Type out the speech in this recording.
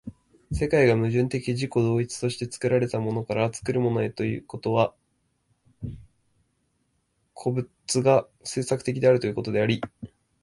世界が矛盾的自己同一として作られたものから作るものへということは、個物が製作的であるということであり、